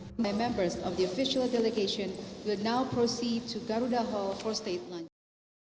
sekarang kita berterus ke garuda hall untuk makan tengah hari